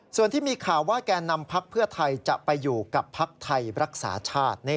ส่วนที่มีข่าวว่าแก่นำพักเพื่อไทยจะไปอยู่กับภักดิ์ไทยรักษาชาติ